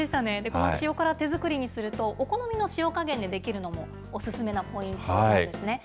この塩辛、手作りにすると、お好みの塩加減でできるのも、お勧めのポイントなんですね。